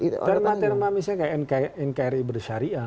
terma terma misalnya kayak nkri bersyariah